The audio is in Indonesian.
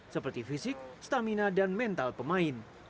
seperti fisik stamina dan mental pemain